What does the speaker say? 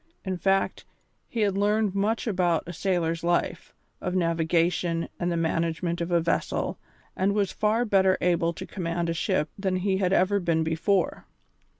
In fact, he had learned much about a sailor's life, of navigation and the management of a vessel, and was far better able to command a ship than he had ever been before.